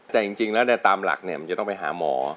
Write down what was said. อเจมส์แต่จริงแล้วในตามหลักมันจะต้องไปหาหมอ